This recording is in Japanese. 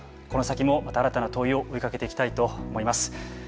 この先もまた新たな問いを追いかけていきたいと思います。